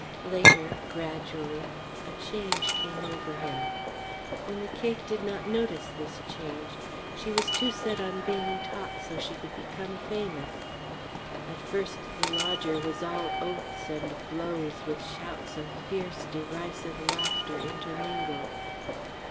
Later, gradually, a change came over him. Only Cake did not notice this change. She was too set on being taught so she could become famous. At first the lodger was all oaths and blows with shouts of fierce, derisive laughter intermingled.